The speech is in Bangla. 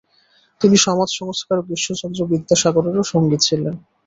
তিনি সমাজ সংস্কারক ঈশ্বরচন্দ্র বিদ্যাসাগরেরও সঙ্গী ছিলেন।